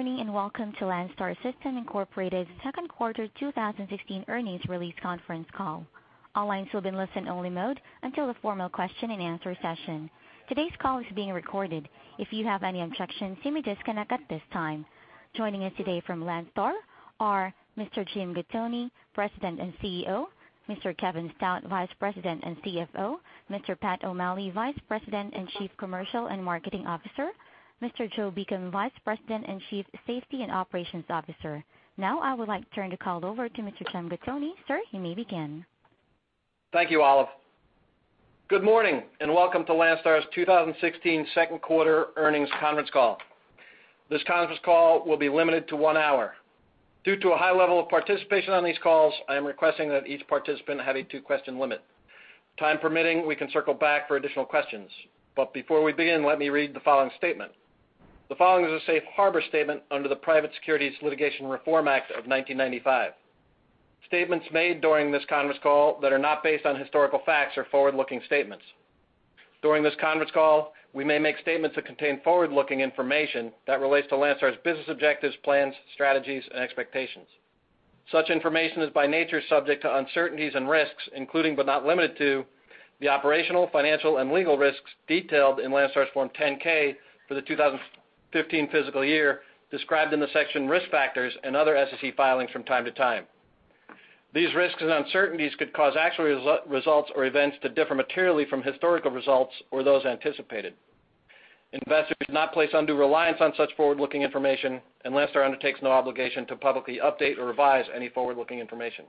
Good morning, and welcome to Landstar System Incorporated's second quarter 2016 earnings release conference call. All lines will be in listen-only mode until the formal question-and-answer session. Today's call is being recorded. If you have any objections, you may disconnect at this time. Joining us today from Landstar are Mr. Jim Gattoni, President and CEO, Mr. Kevin Stout, Vice President and CFO, Mr. Pat O'Malley, Vice President and Chief Commercial and Marketing Officer, Mr. Joe Beacom, Vice President and Chief Safety and Operations Officer. Now, I would like to turn the call over to Mr. Jim Gattoni. Sir, you may begin. Thank you, Olive. Good morning, and welcome to Landstar's 2016 second-quarter earnings conference call. This conference call will be limited to one hour. Due to a high level of participation on these calls, I am requesting that each participant have a two-question limit. Time permitting, we can circle back for additional questions. But before we begin, let me read the following statement. The following is a safe harbor statement under the Private Securities Litigation Reform Act of 1995. Statements made during this conference call that are not based on historical facts are forward-looking statements. During this conference call, we may make statements that contain forward-looking information that relates to Landstar's business objectives, plans, strategies, and expectations. Such information is, by nature, subject to uncertainties and risks, including but not limited to the operational, financial, and legal risks detailed in Landstar's Form 10-K for the 2015 fiscal year, described in the section Risk Factors and other SEC filings from time to time. These risks and uncertainties could cause actual results or events to differ materially from historical results or those anticipated. Investors should not place undue reliance on such forward-looking information, and Landstar undertakes no obligation to publicly update or revise any forward-looking information.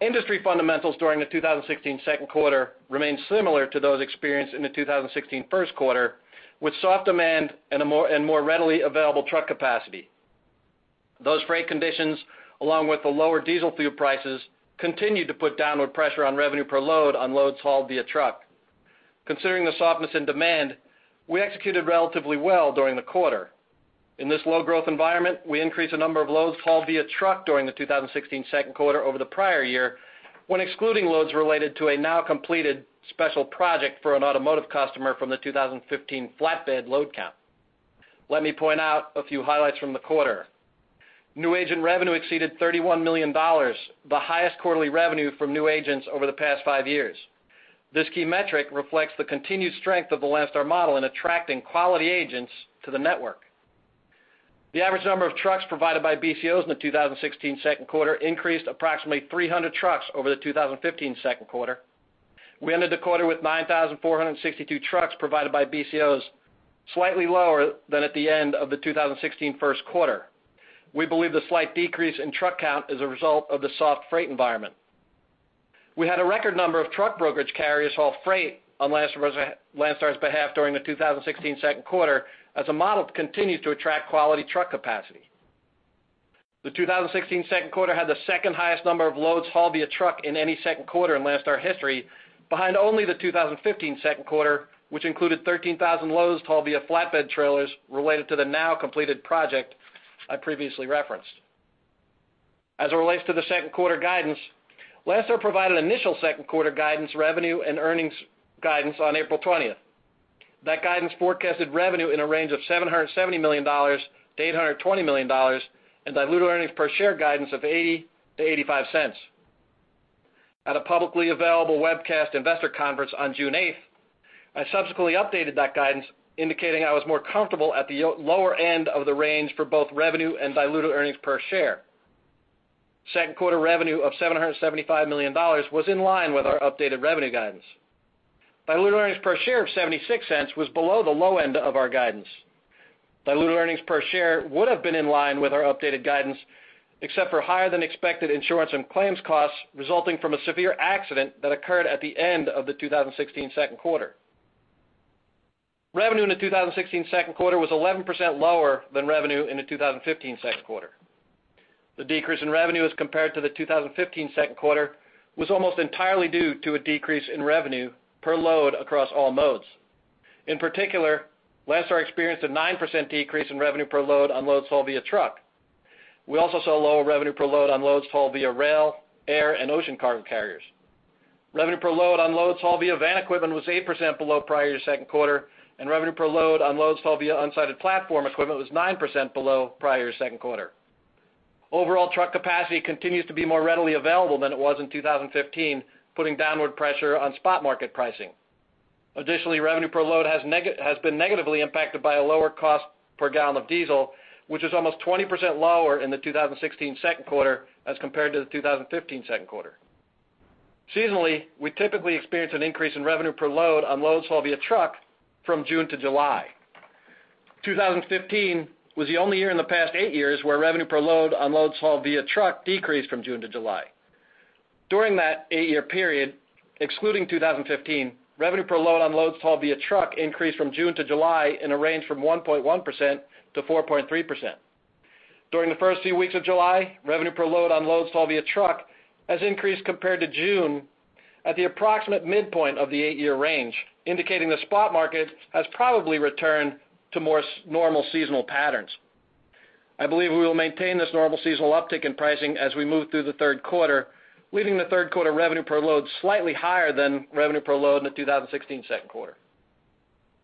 Industry fundamentals during the 2016 second quarter remained similar to those experienced in the 2016 first quarter, with soft demand and more readily available truck capacity. Those freight conditions, along with the lower diesel fuel prices, continued to put downward pressure on revenue per load on loads hauled via truck. Considering the softness in demand, we executed relatively well during the quarter. In this low-growth environment, we increased the number of loads hauled via truck during the 2016 second quarter over the prior year, when excluding loads related to a now-completed special project for an automotive customer from the 2015 flatbed load count. Let me point out a few highlights from the quarter. New agent revenue exceeded $31 million, the highest quarterly revenue from new agents over the past five years. This key metric reflects the continued strength of the Landstar model in attracting quality agents to the network. The average number of trucks provided by BCOs in the 2016 second quarter increased approximately 300 trucks over the 2015 second quarter. We ended the quarter with 9,462 trucks provided by BCOs, slightly lower than at the end of the 2016 first quarter. We believe the slight decrease in truck count is a result of the soft freight environment. We had a record number of truck brokerage carriers haul freight on Landstar, Landstar's behalf during the 2016 second quarter, as the model continues to attract quality truck capacity. The 2016 second quarter had the second-highest number of loads hauled via truck in any second quarter in Landstar history, behind only the 2015 second quarter, which included 13,000 loads hauled via flatbed trailers related to the now-completed project I previously referenced. As it relates to the second quarter guidance, Landstar provided initial second-quarter guidance, revenue, and earnings guidance on April twentieth. That guidance forecasted revenue in a range of $770 million-$820 million, and diluted earnings per share guidance of $0.80-$0.85. At a publicly available webcast investor conference on June 8, I subsequently updated that guidance, indicating I was more comfortable at the lower end of the range for both revenue and diluted earnings per share. Second quarter revenue of $775 million was in line with our updated revenue guidance. Diluted earnings per share of $0.76 was below the low end of our guidance. Diluted earnings per share would have been in line with our updated guidance, except for higher-than-expected insurance and claims costs resulting from a severe accident that occurred at the end of the 2016 second quarter. Revenue in the 2016 second quarter was 11% lower than revenue in the 2015 second quarter. The decrease in revenue as compared to the 2015 second quarter was almost entirely due to a decrease in revenue per load across all modes. In particular, Landstar experienced a 9% decrease in revenue per load on loads hauled via truck. We also saw lower revenue per load on loads hauled via rail, air, and ocean cargo carriers. Revenue per load on loads hauled via van equipment was 8% below prior year second quarter, and revenue per load on loads hauled via unsided platform equipment was 9% below prior year second quarter. Overall, truck capacity continues to be more readily available than it was in 2015, putting downward pressure on spot market pricing. Additionally, revenue per load has been negatively impacted by a lower cost per gallon of diesel, which is almost 20% lower in the 2016 second quarter as compared to the 2015 second quarter. Seasonally, we typically experience an increase in revenue per load on loads hauled via truck from June to July. 2015 was the only year in the past eight years where revenue per load on loads hauled via truck decreased from June to July. During that eight-year period, excluding 2015, revenue per load on loads hauled via truck increased from June to July in a range from 1.1%-4.3%. During the first few weeks of July, revenue per load on loads hauled via truck has increased compared to June at the approximate midpoint of the eight-year range, indicating the spot market has probably returned to more normal seasonal patterns. I believe we will maintain this normal seasonal uptick in pricing as we move through the third quarter, leaving the third quarter revenue per load slightly higher than revenue per load in the 2016 second quarter.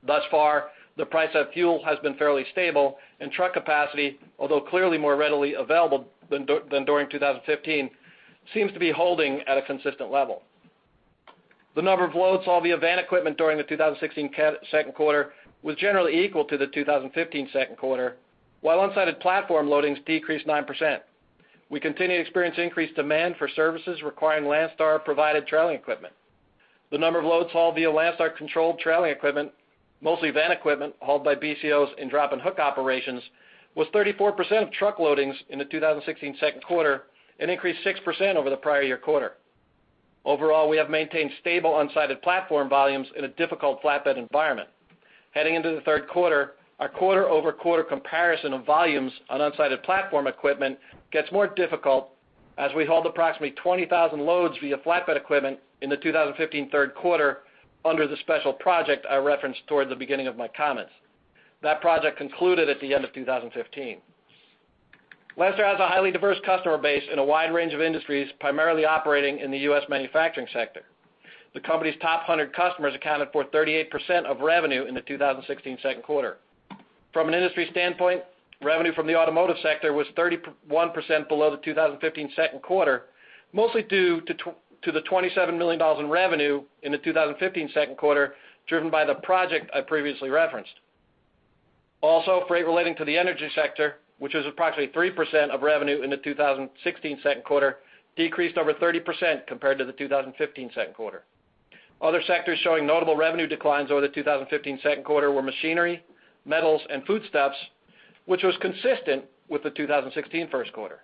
Thus far, the price of fuel has been fairly stable, and truck capacity, although clearly more readily available than during 2015, seems to be holding at a consistent level. The number of loads hauled via van equipment during the 2016 second quarter was generally equal to the 2015 second quarter, while unsided platform loadings decreased 9%. We continue to experience increased demand for services requiring Landstar-provided trailing equipment. The number of loads hauled via Landstar-controlled trailing equipment, mostly van equipment hauled by BCOs in drop and hook operations, was 34% of truck loadings in the 2016 second quarter and increased 6% over the prior year quarter. Overall, we have maintained stable unsided platform volumes in a difficult flatbed environment. Heading into the third quarter, our quarter-over-quarter comparison of volumes on unsided platform equipment gets more difficult as we hauled approximately 20,000 loads via flatbed equipment in the 2015 third quarter under the special project I referenced toward the beginning of my comments. That project concluded at the end of 2015. Landstar has a highly diverse customer base in a wide range of industries, primarily operating in the U.S. manufacturing sector. The company's top 100 customers accounted for 38% of revenue in the 2016 second quarter. From an industry standpoint, revenue from the automotive sector was 31% below the 2015 second quarter, mostly due to the $27 million in revenue in the 2015 second quarter, driven by the project I previously referenced. Also, freight relating to the energy sector, which was approximately 3% of revenue in the 2016 second quarter, decreased over 30% compared to the 2015 second quarter. Other sectors showing notable revenue declines over the 2015 second quarter were machinery, metals, and foodstuffs, which was consistent with the 2016 first quarter.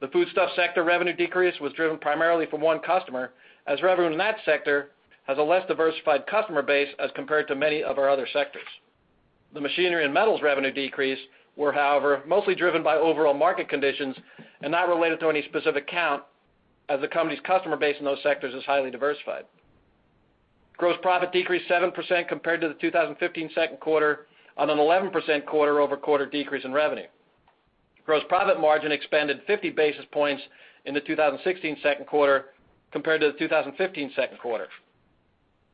The foodstuff sector revenue decrease was driven primarily from one customer, as revenue in that sector has a less diversified customer base as compared to many of our other sectors. The machinery and metals revenue decrease were, however, mostly driven by overall market conditions and not related to any specific account, as the company's customer base in those sectors is highly diversified. Gross profit decreased 7% compared to the 2015 second quarter on an 11% quarter-over-quarter decrease in revenue. Gross profit margin expanded 50 basis points in the 2016 second quarter compared to the 2015 second quarter.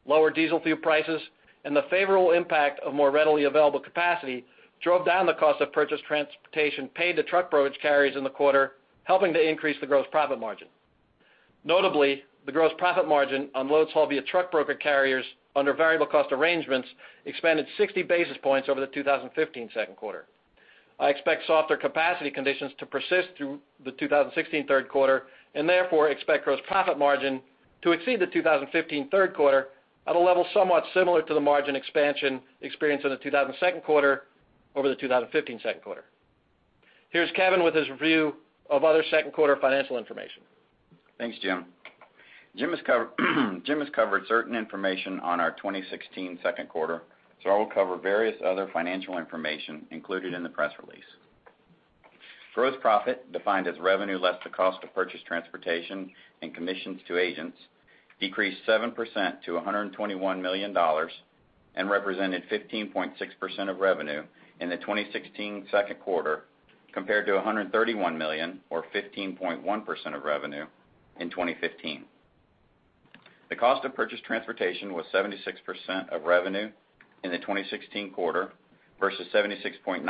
Lower diesel fuel prices and the favorable impact of more readily available capacity drove down the cost of purchased transportation paid to truck brokerage carriers in the quarter, helping to increase the gross profit margin. Notably, the gross profit margin on loads hauled via truck broker carriers under variable cost arrangements expanded 60 basis points over the 2015 second quarter. I expect softer capacity conditions to persist through the 2016 third quarter, and therefore, expect gross profit margin to exceed the 2015 third quarter at a level somewhat similar to the margin expansion experienced in the 2016 second quarter over the 2015 second quarter. Here's Kevin with his review of other second quarter financial information. Thanks, Jim. Jim has covered certain information on our 2016 second quarter, so I will cover various other financial information included in the press release. Gross profit, defined as revenue less the cost of purchased transportation and commissions to agents, decreased 7% to $121 million and represented 15.6% of revenue in the 2016 second quarter, compared to $131 million, or 15.1% of revenue, in 2015. The cost of purchased transportation was 76% of revenue in the 2016 quarter versus 76.9% in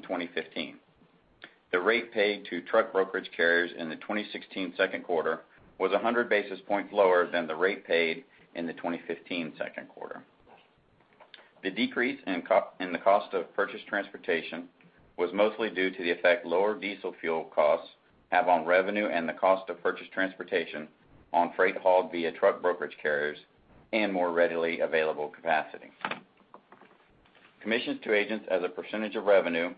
2015. The rate paid to truck brokerage carriers in the 2016 second quarter was 100 basis points lower than the rate paid in the 2015 second quarter. The decrease in the cost of purchased transportation was mostly due to the effect lower diesel fuel costs have on revenue and the cost of purchased transportation on freight hauled via truck brokerage carriers and more readily available capacity. Commissions to agents as a percentage of revenue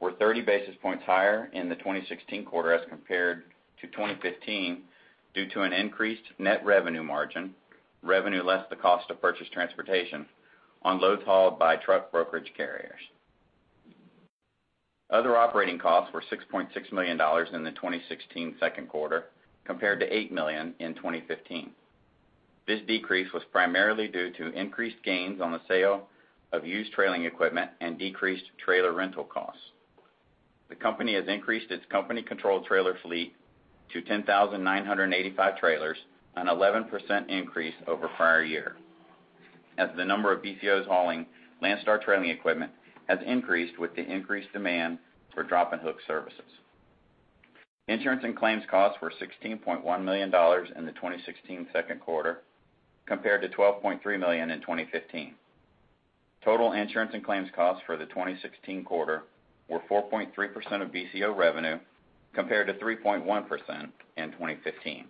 were 30 basis points higher in the 2016 quarter as compared to 2015 due to an increased net revenue margin, revenue less the cost of purchased transportation, on loads hauled by truck brokerage carriers. Other operating costs were $6.6 million in the 2016 second quarter compared to $8 million in 2015. This decrease was primarily due to increased gains on the sale of used trailing equipment and decreased trailer rental costs. The company has increased its company-controlled trailer fleet to 10,985 trailers, an 11% increase over prior year, as the number of BCOs hauling Landstar trailer equipment has increased with the increased demand for drop and hook services. Insurance and claims costs were $16.1 million in the 2016 second quarter, compared to $12.3 million in 2015. Total insurance and claims costs for the 2016 quarter were 4.3% of BCO revenue, compared to 3.1% in 2015.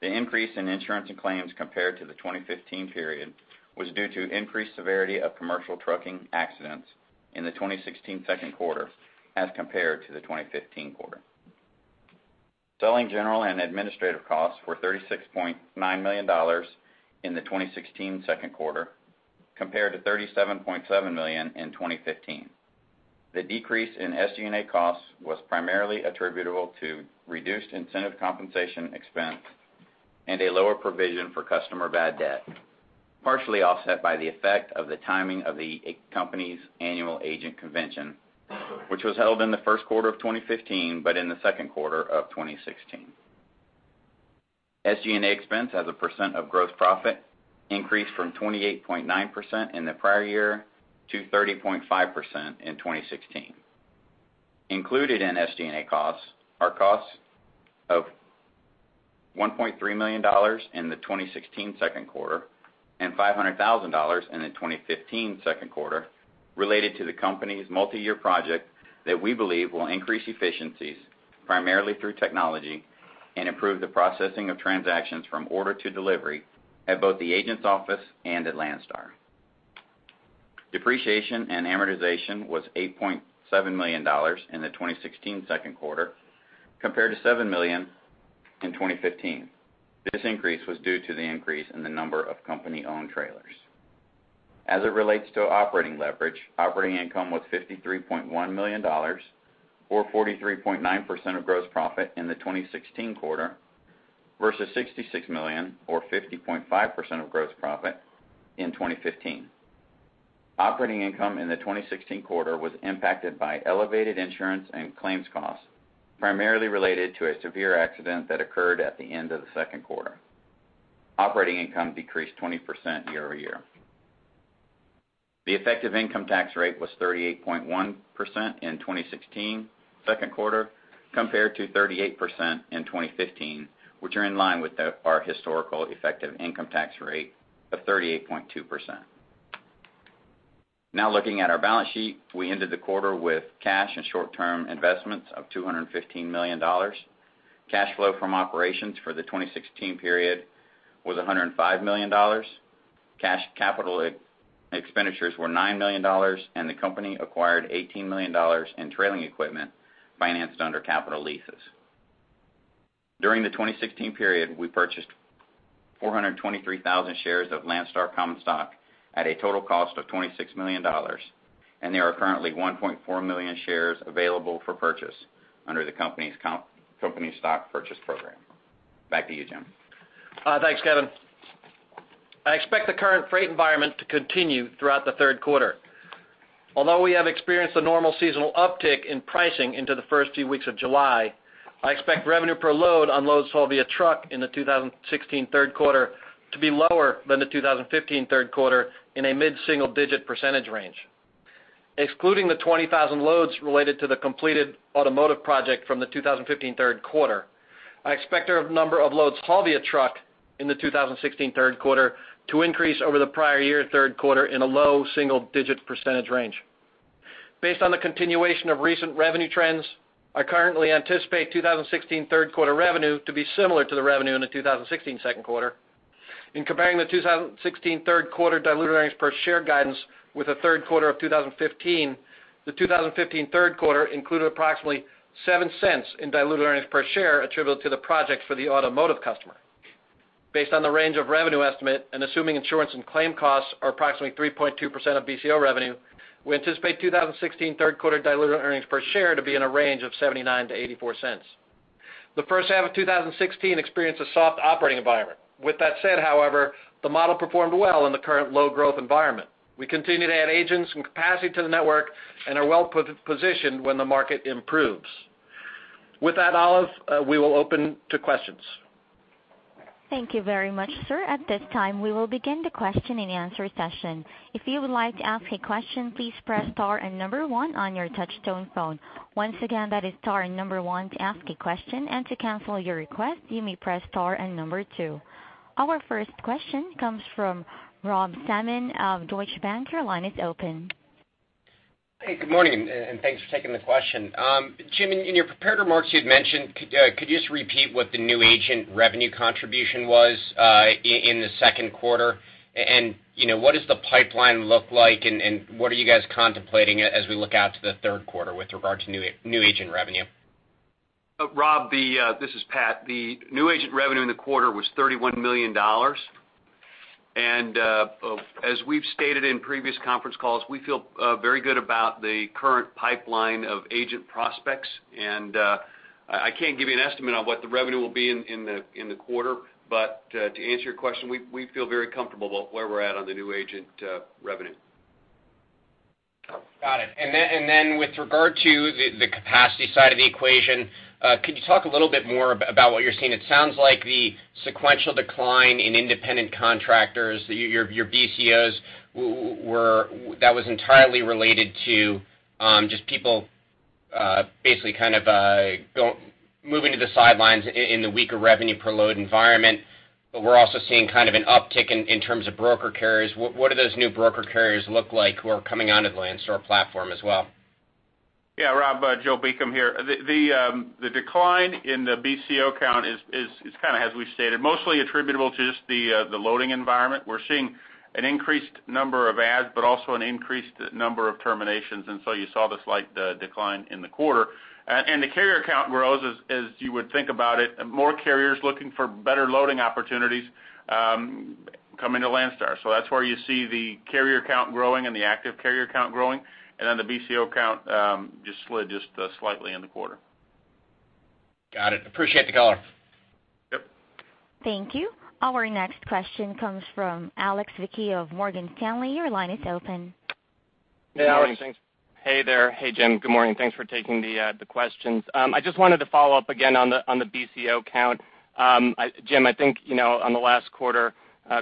The increase in insurance and claims compared to the 2015 period was due to increased severity of commercial trucking accidents in the 2016 second quarter as compared to the 2015 quarter. Selling, general, and administrative costs were $36.9 million in the 2016 second quarter, compared to $37.7 million in 2015. The decrease in SG&A costs was primarily attributable to reduced incentive compensation expense and a lower provision for customer bad debt, partially offset by the effect of the timing of the company's annual agent convention, which was held in the first quarter of 2015, but in the second quarter of 2016. SG&A expense as a percent of gross profit increased from 28.9% in the prior year to 30.5% in 2016. Included in SG&A costs are costs of $1.3 million in the 2016 second quarter, and $500,000 in the 2015 second quarter, related to the company's multiyear project that we believe will increase efficiencies, primarily through technology, and improve the processing of transactions from order to delivery at both the agent's office and at Landstar. Depreciation and amortization was $8.7 million in the 2016 second quarter, compared to $7 million in 2015. This increase was due to the increase in the number of company-owned trailers. As it relates to operating leverage, operating income was $53.1 million, or 43.9% of gross profit in the 2016 quarter, versus $66 million or 50.5% of gross profit in 2015. Operating income in the 2016 quarter was impacted by elevated insurance and claims costs, primarily related to a severe accident that occurred at the end of the second quarter. Operating income decreased 20% year-over-year. The effective income tax rate was 38.1% in 2016 second quarter, compared to 38% in 2015, which are in line with our historical effective income tax rate of 38.2%. Now, looking at our balance sheet, we ended the quarter with cash and short-term investments of $215 million. Cash flow from operations for the 2016 period was $105 million. Cash capital expenditures were $9 million, and the company acquired $18 million in trailing equipment financed under capital leases. During the 2016 period, we purchased 423,000 shares of Landstar common stock at a total cost of $26 million, and there are currently 1.4 million shares available for purchase under the company's stock purchase program. Back to you, Jim. Thanks, Kevin. I expect the current freight environment to continue throughout the third quarter. Although we have experienced a normal seasonal uptick in pricing into the first few weeks of July, I expect revenue per load on loads hauled via truck in the 2016 third quarter to be lower than the 2015 third quarter in a mid-single-digit % range. Excluding the 20,000 loads related to the completed automotive project from the 2015 third quarter, I expect our number of loads hauled via truck in the 2016 third quarter to increase over the prior year third quarter in a low single-digit % range. Based on the continuation of recent revenue trends, I currently anticipate 2016 third quarter revenue to be similar to the revenue in the 2016 second quarter. In comparing the 2016 third quarter diluted earnings per share guidance with the third quarter of 2015, the 2015 third quarter included approximately $0.07 in diluted earnings per share attributable to the project for the automotive customer. Based on the range of revenue estimate and assuming insurance and claim costs are approximately 3.2% of BCO revenue, we anticipate 2016 third quarter diluted earnings per share to be in a range of $0.79-$0.84. The first half of 2016 experienced a soft operating environment. With that said, however, the model performed well in the current low-growth environment. We continue to add agents and capacity to the network and are well positioned when the market improves. With that, Olive, we will open to questions. Thank you very much, sir. At this time, we will begin the question-and-answer session. If you would like to ask a question, please press star and number one on your touchtone phone. Once again, that is star and number one to ask a question. And to cancel your request, you may press star and number two. Our first question comes from Rob Salmon of Deutsche Bank. Your line is open. Hey, good morning, and thanks for taking the question. Jim, in your prepared remarks, you'd mentioned. Could you just repeat what the new agent revenue contribution was in the second quarter? And, you know, what does the pipeline look like, and what are you guys contemplating as we look out to the third quarter with regard to new agent revenue? Rob, this is Pat. The new agent revenue in the quarter was $31 million. And, as we've stated in previous conference calls, we feel very good about the current pipeline of agent prospects, and, I can't give you an estimate on what the revenue will be in the quarter. But, to answer your question, we feel very comfortable about where we're at on the new agent revenue. Got it. And then, and then with regard to the, the capacity side of the equation, could you talk a little bit more about what you're seeing? It sounds like the sequential decline in independent contractors, your, your BCOs were that was entirely related to, just people, basically kind of, moving to the sidelines in the weaker revenue per load environment. But we're also seeing kind of an uptick in, in terms of broker carriers. What, what do those new broker carriers look like who are coming onto the Landstar platform as well? Yeah, Rob, Joe Beacom here. The decline in the BCO count is kind of as we stated, mostly attributable to just the loading environment. We're seeing an increased number of adds, but also an increased number of terminations, and so you saw the slight decline in the quarter. And the carrier count grows as you would think about it, more carriers looking for better loading opportunities.... coming to Landstar. So that's where you see the carrier count growing and the active carrier count growing, and then the BCO count just slid slightly in the quarter. Got it. Appreciate the color. Yep. Thank you. Our next question comes from Alex Vecchio of Morgan Stanley. Your line is open. Hey, Alex. Hey there. Hey, Jim. Good morning. Thanks for taking the questions. I just wanted to follow up again on the BCO count. Jim, I think, you know, on the last quarter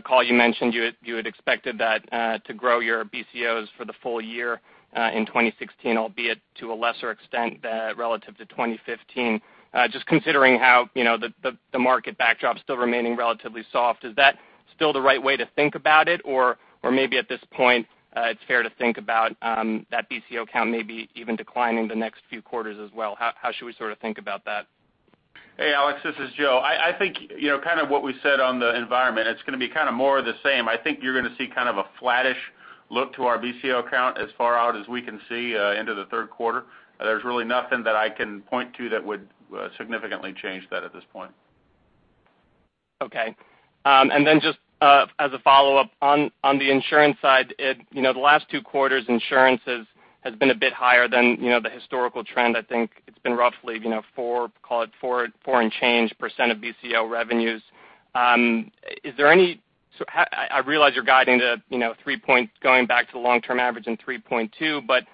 call, you mentioned you had expected that to grow your BCOs for the full year in 2016, albeit to a lesser extent relative to 2015. Just considering how, you know, the market backdrop still remaining relatively soft, is that still the right way to think about it? Or maybe at this point, it's fair to think about that BCO count maybe even declining the next few quarters as well. How should we sort of think about that? Hey, Alex, this is Joe. I think, you know, kind of what we said on the environment, it's going to be kind of more of the same. I think you're going to see kind of a flattish look to our BCO count as far out as we can see into the third quarter. There's really nothing that I can point to that would significantly change that at this point. Okay. And then just, as a follow-up, on the insurance side, it... You know, the last two quarters, insurance has been a bit higher than, you know, the historical trend. I think it's been roughly, you know, 4, call it 4, 4 and change% of BCO revenues. Is there any—so how, I realize you're guiding to, you know, 3 points, going back to the long-term average and 3.2, but,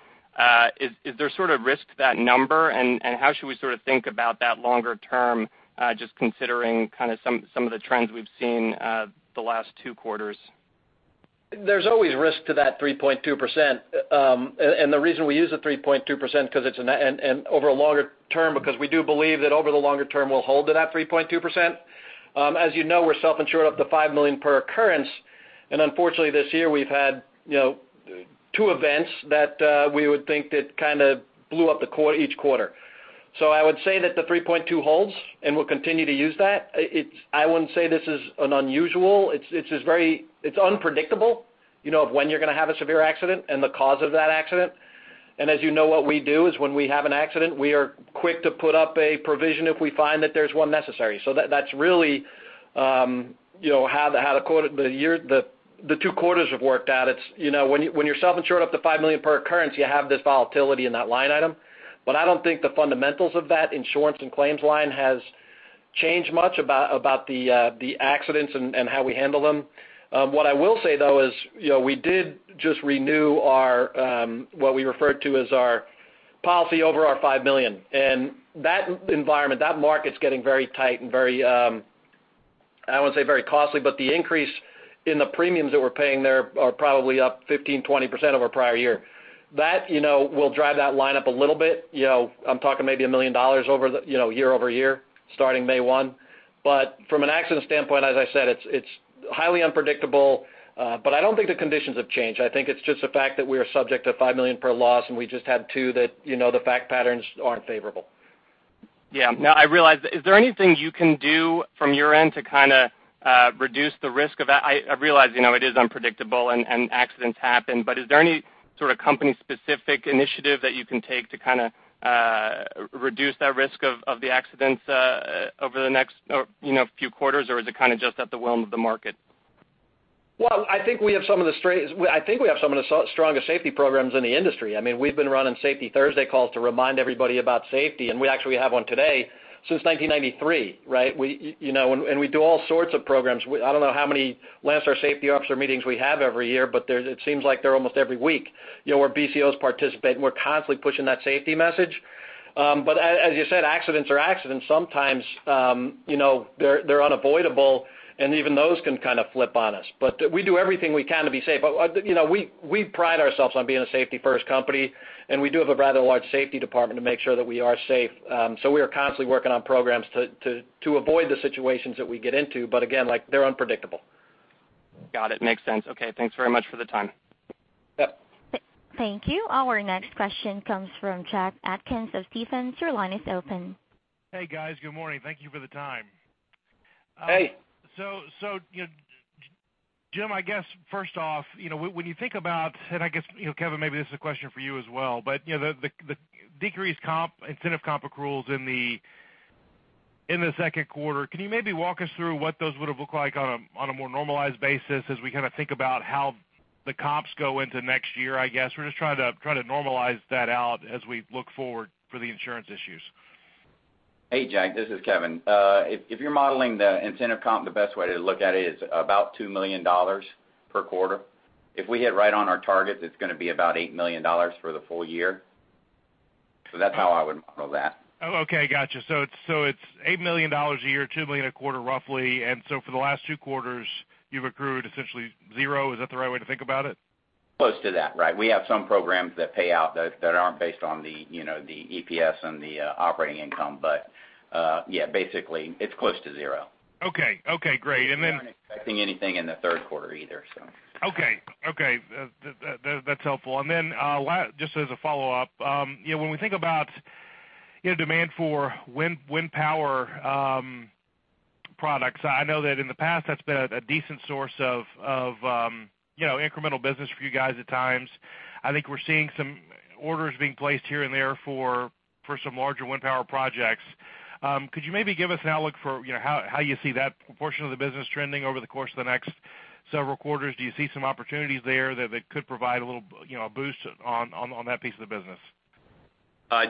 is there sort of risk to that number? And how should we sort of think about that longer term, just considering kind of some of the trends we've seen, the last two quarters? There's always risk to that 3.2%. And the reason we use the 3.2%, because it's over a longer term, because we do believe that over the longer term, we'll hold to that 3.2%. As you know, we're self-insured up to $5 million per occurrence, and unfortunately, this year we've had, you know, two events that we would think that kind of blew up the quarter, each quarter. So I would say that the 3.2% holds, and we'll continue to use that. It's, I wouldn't say this is an unusual, it's just very unpredictable, you know, of when you're going to have a severe accident and the cause of that accident. And as you know, what we do is when we have an accident, we are quick to put up a provision if we find that there's one necessary. So that, that's really, you know, how the, how the quarter, the year, the, the two quarters have worked out. It's, you know, when you, when you're self-insured up to $5 million per occurrence, you have this volatility in that line item. But I don't think the fundamentals of that insurance and claims line has changed much about, about the, the accidents and, and how we handle them. What I will say, though, is, you know, we did just renew our, what we refer to as our policy over our $5 million. And that environment, that market's getting very tight and very, I wouldn't say very costly, but the increase in the premiums that we're paying there are probably up 15%-20% over prior year. That, you know, will drive that line up a little bit. You know, I'm talking maybe $1 million over the, you know, year-over-year, starting May 1. But from an accident standpoint, as I said, it's highly unpredictable, but I don't think the conditions have changed. I think it's just the fact that we are subject to $5 million per loss, and we just had 2 that, you know, the fact patterns aren't favorable. Yeah. No, I realize. Is there anything you can do from your end to kind of reduce the risk of that? I realize, you know, it is unpredictable and accidents happen, but is there any sort of company-specific initiative that you can take to kind of reduce that risk of the accidents over the next, or, you know, few quarters, or is it kind of just at the whim of the market? Well, I think we have some of the strongest safety programs in the industry. I mean, we've been running Safety Thursday calls to remind everybody about safety, and we actually have one today, since 1993, right? We, you know, and we do all sorts of programs. We, I don't know how many Landstar Safety Officer meetings we have every year, but there's, it seems like they're almost every week. You know, where BCOs participate, and we're constantly pushing that safety message. But as you said, accidents are accidents. Sometimes, you know, they're unavoidable, and even those can kind of flip on us. But we do everything we can to be safe. But, you know, we pride ourselves on being a safety-first company, and we do have a rather large safety department to make sure that we are safe. So we are constantly working on programs to avoid the situations that we get into, but again, like, they're unpredictable. Got it. Makes sense. Okay, thanks very much for the time. Yep. Thank you. Our next question comes from Jack Atkins of Stephens. Your line is open. Hey, guys. Good morning. Thank you for the time. Hey. So, you know, Jim, I guess first off, you know, when you think about, and I guess, you know, Kevin, maybe this is a question for you as well, but, you know, the decreased comp, incentive comp accruals in the second quarter, can you maybe walk us through what those would have looked like on a more normalized basis as we kind of think about how the comps go into next year, I guess? We're just trying to normalize that out as we look forward for the insurance issues. Hey, Jack, this is Kevin. If you're modeling the incentive comp, the best way to look at it is about $2 million per quarter. If we hit right on our targets, it's going to be about $8 million for the full year. So that's how I would model that. Oh, okay, gotcha. So it's, so it's $8 million a year, $2 million a quarter, roughly. And so for the last two quarters, you've accrued essentially zero. Is that the right way to think about it? Close to that, right. We have some programs that pay out that aren't based on the, you know, the EPS and the operating income. But, yeah, basically, it's close to zero. Okay. Okay, great. And then- We aren't expecting anything in the third quarter either, so. Okay. Okay, that's helpful. And then, last, just as a follow-up, you know, when we think about, you know, demand for wind, wind power, products, I know that in the past, that's been a decent source of, you know, incremental business for you guys at times. I think we're seeing some orders being placed here and there for some larger wind power projects. ... Could you maybe give us an outlook for, you know, how you see that portion of the business trending over the course of the next several quarters? Do you see some opportunities there that could provide a little, you know, a boost on that piece of the business?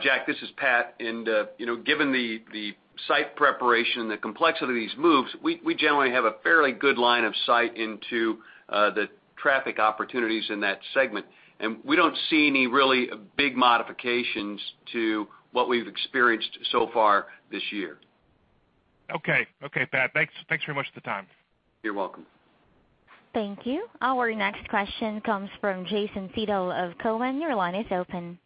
Jack, this is Pat, and you know, given the site preparation and the complexity of these moves, we generally have a fairly good line of sight into the traffic opportunities in that segment, and we don't see any really big modifications to what we've experienced so far this year. Okay. Okay, Pat. Thanks, thanks very much for the time. You're welcome. Thank you. Our next question comes from Jason Seidel of Cowen. Your line is open.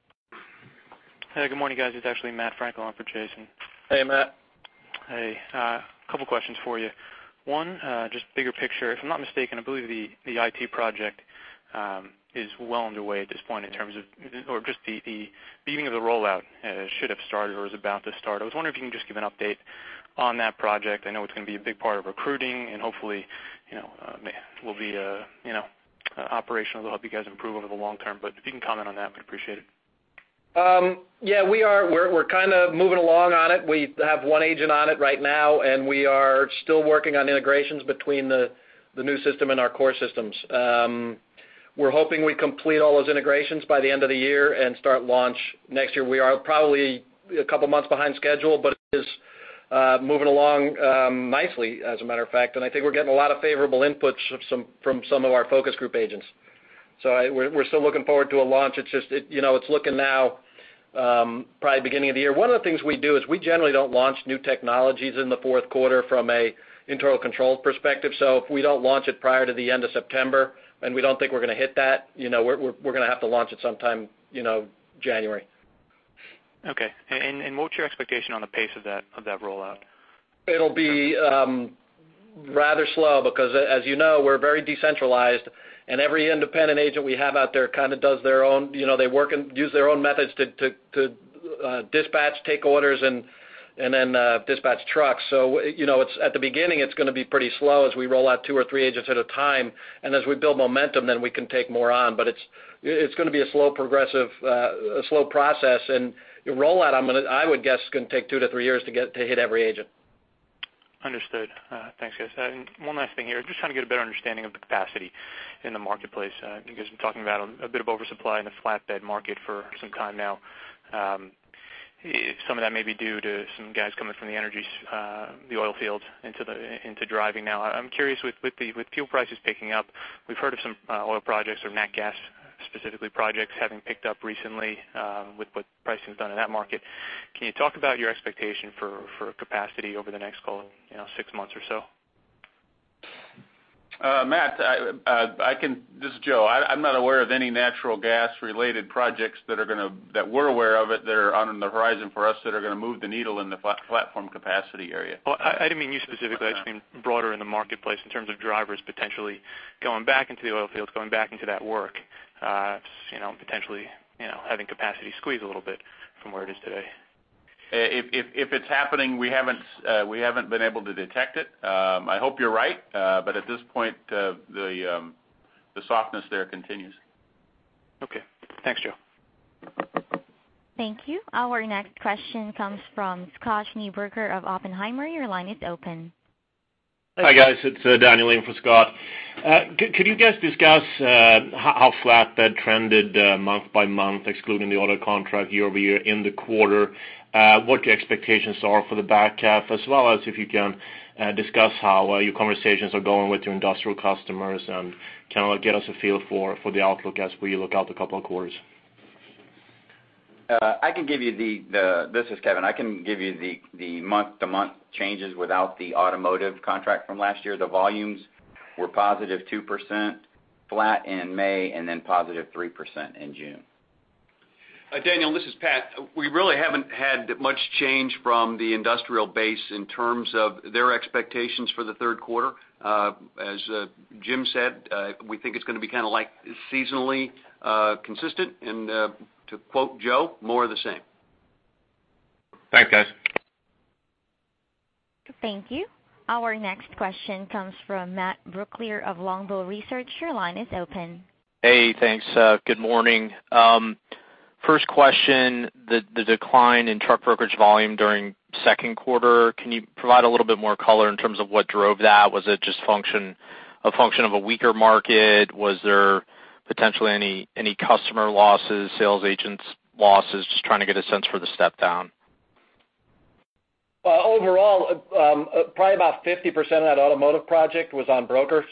Hey, good morning, guys. It's actually Matt Frankel on for Jason. Hey, Matt. Hey, a couple questions for you. One, just bigger picture, if I'm not mistaken, I believe the IT project is well underway at this point in terms of, or just the beginning of the rollout, should have started or is about to start. I was wondering if you can just give an update on that project. I know it's going to be a big part of recruiting, and hopefully, you know, will be, you know, operational to help you guys improve over the long term. But if you can comment on that, I'd appreciate it. Yeah, we're kind of moving along on it. We have one agent on it right now, and we are still working on integrations between the new system and our core systems. We're hoping we complete all those integrations by the end of the year and start launch next year. We are probably a couple months behind schedule, but it is moving along nicely, as a matter of fact, and I think we're getting a lot of favorable inputs from some of our focus group agents. So we're still looking forward to a launch. It's just, you know, it's looking now probably beginning of the year. One of the things we do is we generally don't launch new technologies in the fourth quarter from an internal control perspective. So if we don't launch it prior to the end of September, and we don't think we're going to hit that, you know, we're going to have to launch it sometime, you know, January. Okay. And what's your expectation on the pace of that rollout? It'll be rather slow, because as you know, we're very decentralized, and every independent agent we have out there kind of does their own, you know, they work and use their own methods to dispatch, take orders, and then dispatch trucks. So, you know, it's at the beginning, it's going to be pretty slow as we roll out two or three agents at a time, and as we build momentum, then we can take more on. But it's going to be a slow, progressive, a slow process. And the rollout, I'm gonna, I would guess, is going to take two to three years to get to hit every agent. Understood. Thanks, guys. And one last thing here, just trying to get a better understanding of the capacity in the marketplace. You guys have been talking about a bit of oversupply in the flatbed market for some time now. Some of that may be due to some guys coming from the energy, the oil fields into driving now. I'm curious, with fuel prices picking up, we've heard of some oil projects or nat gas, specifically projects, having picked up recently, with what pricing has done in that market. Can you talk about your expectation for capacity over the next, call, you know, six months or so? Matt, this is Joe. I'm not aware of any natural gas-related projects that we're aware of that are on the horizon for us that are going to move the needle in the flat platform capacity area. Well, I didn't mean you specifically. Oh. I just mean broader in the marketplace in terms of drivers potentially going back into the oil fields, going back into that work, you know, potentially, you know, having capacity squeeze a little bit from where it is today. If it's happening, we haven't been able to detect it. I hope you're right, but at this point, the softness there continues. Okay. Thanks, Joe. Thank you. Our next question comes from Scott Schneeberger of Oppenheimer. Your line is open. Hi, guys. It's Daniel in for Scott. Could you guys discuss how flatbed trended month-by-month, excluding the auto contract year-over-year in the quarter? What the expectations are for the back half, as well as if you can discuss how your conversations are going with your industrial customers, and kind of get us a feel for the outlook as we look out a couple of quarters. I can give you this is Kevin. I can give you the month-to-month changes without the automotive contract from last year. The volumes were positive 2%, flat in May, and then positive 3% in June. Daniel, this is Pat. We really haven't had much change from the industrial base in terms of their expectations for the third quarter. As Jim said, we think it's going to be kind of like seasonally consistent, and to quote Joe, "More of the same. Thanks, guys. Thank you. Our next question comes from Matt Brookelier of Longbow Research. Your line is open. Hey, thanks. Good morning. First question, the decline in truck brokerage volume during second quarter, can you provide a little bit more color in terms of what drove that? Was it just a function of a weaker market? Was there potentially any customer losses, sales agent losses? Just trying to get a sense for the step down. Overall, probably about 50% of that automotive project was on brokers.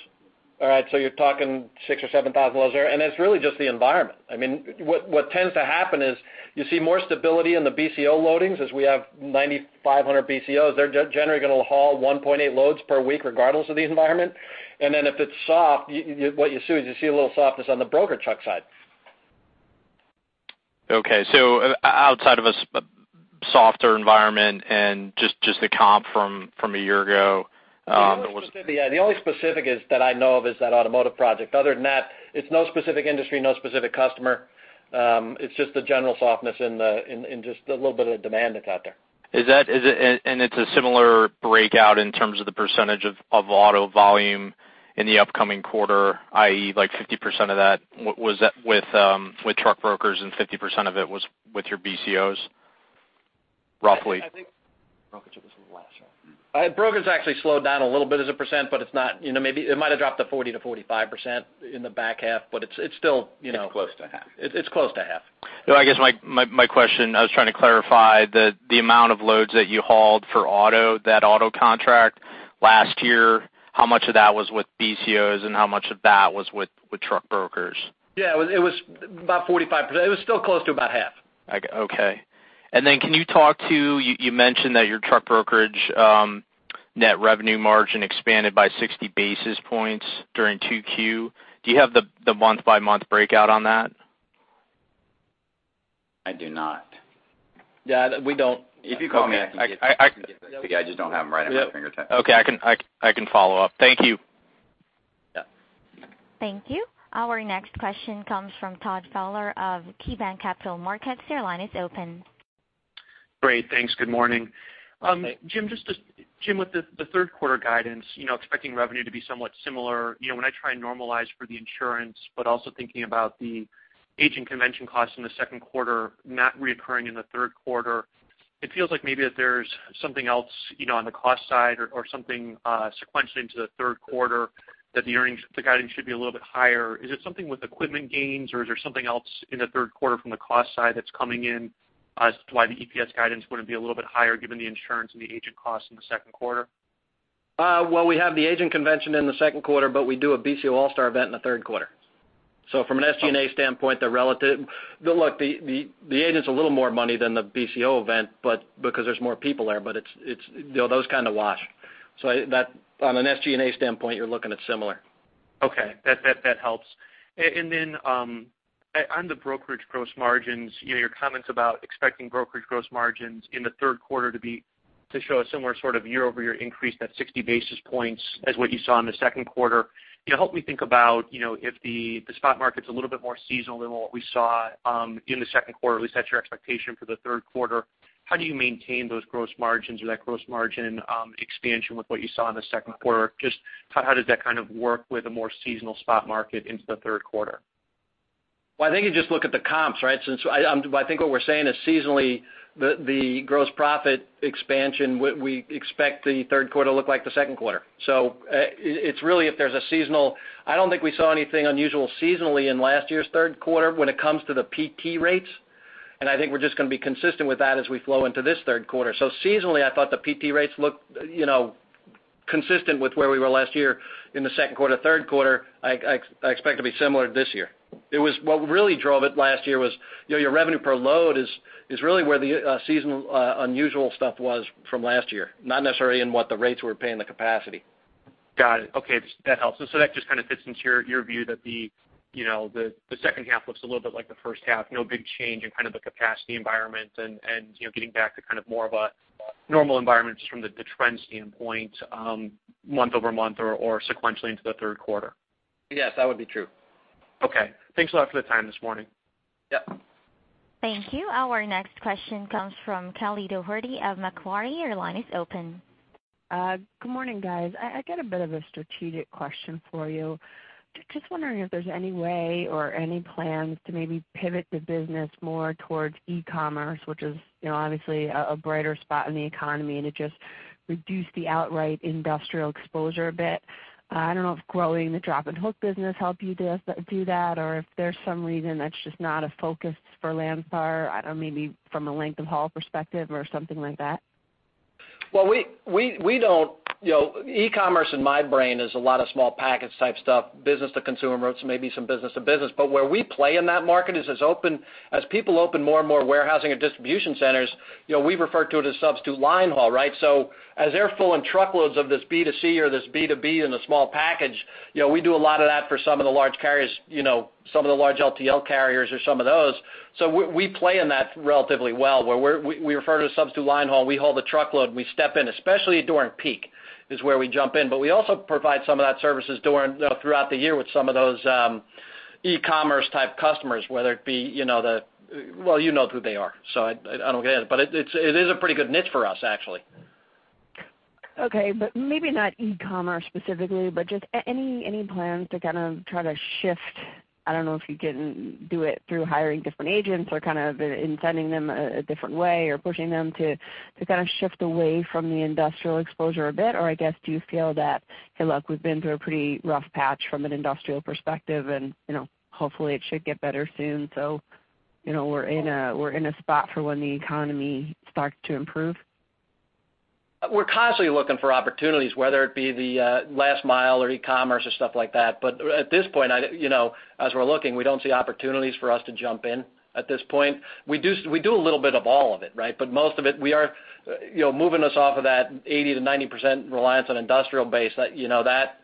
All right, so you're talking 6,000 or 7,000 loads there, and it's really just the environment. I mean, what tends to happen is, you see more stability in the BCO loadings. As we have 9,500 BCOs, they're generally going to haul 1.8 loads per week, regardless of the environment. And then if it's soft, what you see is you see a little softness on the broker truck side. Okay. So outside of a softer environment and just the comp from a year ago, was- The only specific, yeah, the only specific is that I know of is that automotive project. Other than that, it's no specific industry, no specific customer. It's just the general softness in the little bit of the demand that's out there. Is it a similar breakout in terms of the percentage of auto volume in the upcoming quarter, i.e., like, 50% of that was with truck brokers, and 50% of it was with your BCOs, roughly? I think brokerage was less. Brokerage actually slowed down a little bit as a percent, but it's not, you know, maybe it might have dropped to 40%-45% in the back half, but it's, it's still, you know. It's close to half.It's close to half. So I guess my question, I was trying to clarify the amount of loads that you hauled for auto, that auto contract last year, how much of that was with BCOs, and how much of that was with truck brokers? Yeah, it was about 45%. It was still close to about half. Okay. Then can you talk to, you, you mentioned that your truck brokerage net revenue margin expanded by 60 basis points during 2Q. Do you have the month-by-month breakout on that? I do not. Yeah, we don't. If you call me, I can get. I just don't have them right at my fingertips. Okay, I can follow up. Thank you. Yeah. Thank you. Our next question comes from Todd Fowler of KeyBanc Capital Markets. Your line is open. Great. Thanks. Good morning. Jim, just to, Jim, with the third quarter guidance, you know, expecting revenue to be somewhat similar, you know, when I try and normalize for the insurance, but also thinking about the agent convention costs in the second quarter, not recurring in the third quarter, it feels like maybe that there's something else, you know, on the cost side or something sequentially into the third quarter, that the earnings guidance should be a little bit higher. Is it something with equipment gains, or is there something else in the third quarter from the cost side that's coming in as to why the EPS guidance wouldn't be a little bit higher given the insurance and the agent costs in the second quarter? Well, we have the agent convention in the second quarter, but we do a BCO All-Star event in the third quarter. So from an SG&A standpoint, they're relative. But look, the agent's a little more money than the BCO event, but because there's more people there, but it's, you know, those kind of wash. So that on an SG&A standpoint, you're looking at similar. Okay, that helps. And then on the brokerage gross margins, you know, your comments about expecting brokerage gross margins in the third quarter to be, to show a similar sort of year-over-year increase, that 60 basis points as what you saw in the second quarter. You know, help me think about, you know, if the spot market's a little bit more seasonal than what we saw in the second quarter, at least that's your expectation for the third quarter. How do you maintain those gross margins or that gross margin expansion with what you saw in the second quarter? Just how does that kind of work with a more seasonal spot market into the third quarter? Well, I think you just look at the comps, right? Since I think what we're saying is seasonally, the gross profit expansion, we expect the third quarter to look like the second quarter. So, it's really if there's a seasonal... I don't think we saw anything unusual seasonally in last year's third quarter when it comes to the PT rates, and I think we're just going to be consistent with that as we flow into this third quarter. So seasonally, I thought the PT rates looked, you know, consistent with where we were last year in the second quarter. Third quarter, I expect to be similar this year. It was, what really drove it last year was, you know, your revenue per load is, is really where the seasonal unusual stuff was from last year, not necessarily in what the rates were paying the capacity. Got it. Okay, that helps. So that just kind of fits into your, your view that the, you know, the, the second half looks a little bit like the first half, no big change in kind of the capacity environment and, and, you know, getting back to kind of more of a normal environment just from the trend standpoint, month over month or, or sequentially into the third quarter. Yes, that would be true. Okay. Thanks a lot for the time this morning. Yeah. Thank you. Our next question comes from Kelly Dougherty of Macquarie. Your line is open. Good morning, guys. I got a bit of a strategic question for you. Just wondering if there's any way or any plans to maybe pivot the business more towards e-commerce, which is, you know, obviously a brighter spot in the economy, and it just reduced the outright industrial exposure a bit. I don't know if growing the drop and hook business help you to do that, or if there's some reason that's just not a focus for Landstar, I don't know, maybe from a length of haul perspective or something like that. Well, we don't, you know, e-commerce in my brain is a lot of small package type stuff, business to consumer, or maybe some business to business, but where we play in that market is as people open more and more warehousing and distribution centers, you know, we refer to it as substitute line haul, right? So as they're filling truckloads of this B2C or this B2B in a small package, you know, we do a lot of that for some of the large carriers, you know, some of the large LTL carriers or some of those. So we play in that relatively well, where we refer to as substitute line haul. We haul the truckload, and we step in, especially during peak, is where we jump in. But we also provide some of that services during throughout the year with some of those e-commerce type customers, whether it be, you know, the... Well, you know who they are, so I don't get it. But it is a pretty good niche for us, actually. Okay, but maybe not e-commerce specifically, but just any, any plans to kind of try to shift, I don't know if you can do it through hiring different agents or kind of incenting them a, a different way or pushing them to, to kind of shift away from the industrial exposure a bit? Or I guess, do you feel that, hey, look, we've been through a pretty rough patch from an industrial perspective, and, you know, hopefully, it should get better soon, so, you know, we're in a, we're in a spot for when the economy starts to improve? We're constantly looking for opportunities, whether it be the last mile or e-commerce or stuff like that. But at this point, I, you know, as we're looking, we don't see opportunities for us to jump in at this point. We do, we do a little bit of all of it, right? But most of it, we are, you know, moving us off of that 80%-90% reliance on industrial base, that, you know, that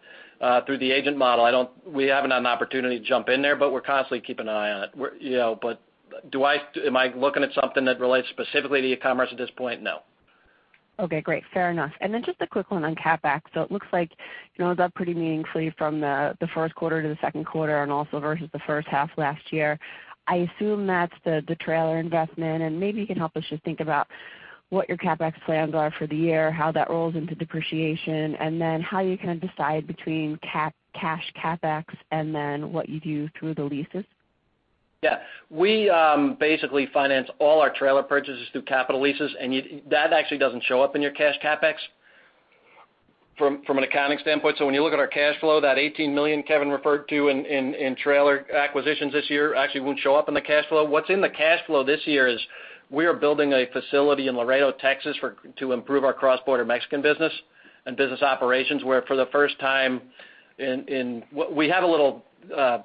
through the agent model, we haven't had an opportunity to jump in there, but we're constantly keeping an eye on it. We're, you know, but am I looking at something that relates specifically to e-commerce at this point? No. Okay, great. Fair enough. And then just a quick one on CapEx. So it looks like, you know, it was up pretty meaningfully from the, the first quarter to the second quarter and also versus the first half last year. I assume that's the, the trailer investment, and maybe you can help us just think about,... what your CapEx plans are for the year, how that rolls into depreciation, and then how you kind of decide between cap- cash CapEx, and then what you do through the leases? Yeah. We basically finance all our trailer purchases through capital leases, and that actually doesn't show up in your cash CapEx from an accounting standpoint. So when you look at our cash flow, that $18 million Kevin referred to in trailer acquisitions this year, actually won't show up in the cash flow. What's in the cash flow this year is we are building a facility in Laredo, Texas, for to improve our cross-border Mexican business and business operations, where for the first time in we have a little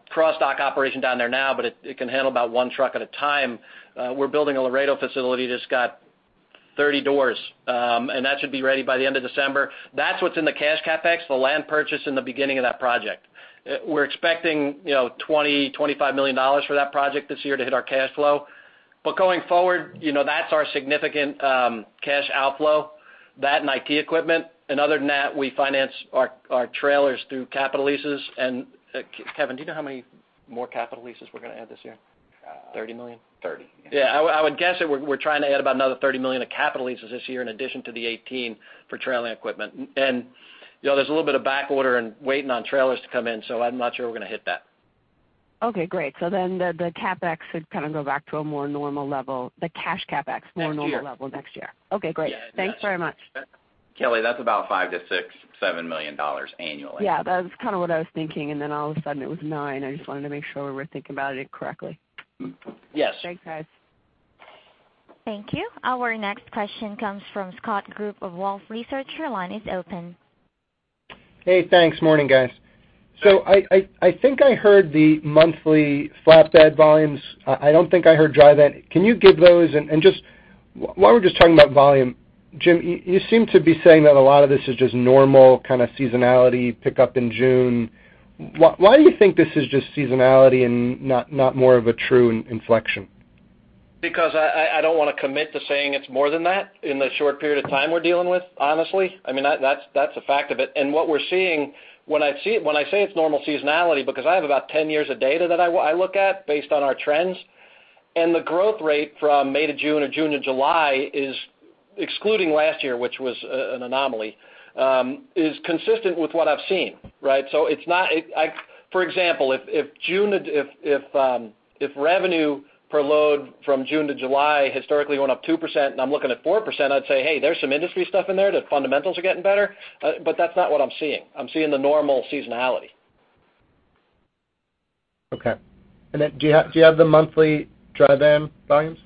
cross-dock operation down there now, but it can handle about 1 truck at a time. We're building a Laredo facility that's got 30 doors, and that should be ready by the end of December. That's what's in the cash CapEx, the land purchase in the beginning of that project. We're expecting, you know, $20 million-$25 million for that project this year to hit our cash flow. But going forward, you know, that's our significant cash outflow, that and IT equipment. And, Kevin, do you know how many more capital leases we're going to add this year? Uh- Thirty million? Thirty. Yeah, I would guess that we're trying to add about another $30 million of capital leases this year, in addition to the $18 million for trailer equipment. You know, there's a little bit of backorder and waiting on trailers to come in, so I'm not sure we're going to hit that. Okay, great. So then the CapEx should kind of go back to a more normal level, the cash CapEx- Next year. more normal level next year. Okay, great. Yeah, that's- Thanks very much. Kelly, that's about $5 million-$6.7 million annually. Yeah, that's kind of what I was thinking, and then all of a sudden, it was nine. I just wanted to make sure we were thinking about it correctly. Mm-hmm. Yes. Thanks, guys. Thank you. Our next question comes from Scott Group of Wolfe Research. Your line is open. Hey, thanks. Morning, guys. So I think I heard the monthly flatbed volumes. I don't think I heard dry van. Can you give those? And just, while we're just talking about volume, Jim, you seem to be saying that a lot of this is just normal kind of seasonality pick up in June. Why do you think this is just seasonality and not more of a true inflection? Because I don't want to commit to saying it's more than that in the short period of time we're dealing with, honestly. I mean, that's a fact of it. And what we're seeing – when I see it. When I say it's normal seasonality, because I have about 10 years of data that I look at based on our trends, and the growth rate from May to June or June to July is, excluding last year, which was an anomaly, is consistent with what I've seen, right? So it's not – I, for example, if revenue per load from June to July historically went up 2%, and I'm looking at 4%, I'd say, "Hey, there's some industry stuff in there. The fundamentals are getting better. But that's not what I'm seeing. I'm seeing the normal seasonality. Okay. And then do you have, do you have the monthly dry van volumes?